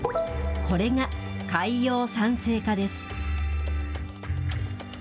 これが海洋酸性化です。